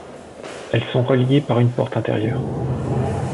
Elles sont reliées par une porte intérieure.